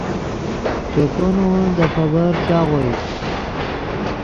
چوکو نے ون دے خبر چاغوئیت